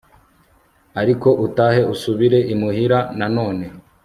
Ariko utahe usubire imuhira nanone